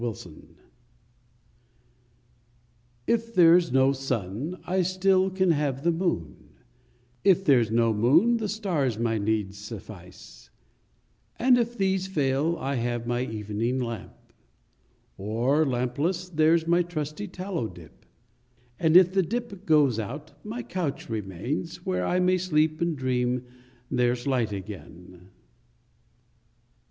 PHILOSOPHY IF there s no Sun, I still can have the Moon; If there s no Moon, the Stars my needs suf fice; And if these fail, I have my Evening Lamp ; Or, Lampless, there s my trusty Tallow Dip; And if the Dip goes out, my Couch remains, Where I may sleep and dream there s Light again.